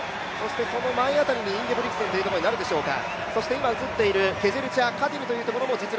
その前あたりにインゲブリクセンというところになるでしょうか。